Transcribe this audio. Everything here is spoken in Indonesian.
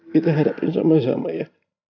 kita hadapi sama sama ya